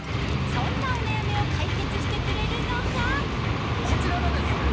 そんなお悩みを解決してくれるのがこちらがですね